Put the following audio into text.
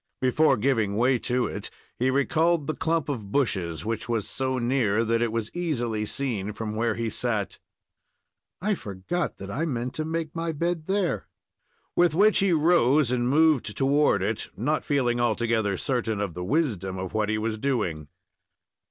Before giving way to it, he recalled the clump of bushes, which was so near that it was easily seen from where he sat. "I forgot that I meant to make my bed there." With which he rose and moved toward it, not feeling altogether certain of the wisdom of what he was doing.